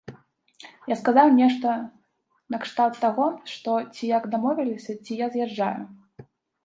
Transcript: Я сказаў нешта накшталт таго, што, ці як дамовіліся, ці я з'язджаю.